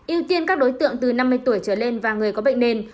ưu tiên các đối tượng từ năm mươi tuổi trở lên và người có bệnh nền